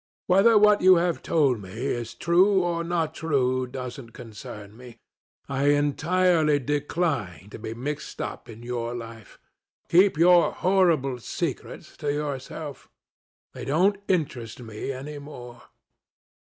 Whether what you have told me is true or not true doesn't concern me. I entirely decline to be mixed up in your life. Keep your horrible secrets to yourself. They don't interest me any more."